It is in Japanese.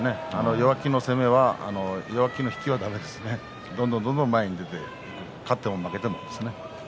弱気の攻めは弱気の引きはだめですねどんどんどんどん前に出て勝っても負けても。